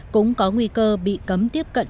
cũng có nguy cơ bị cấm tiếp cận